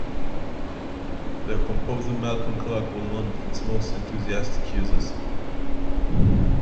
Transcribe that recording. Their composer Malcolm Clarke was one of its most enthusiastic users.